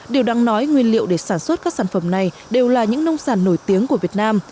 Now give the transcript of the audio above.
điều đáng nói nguyên liệu để sản xuất các sản phẩm này đều là những nông sản nổi tiếng của việt nam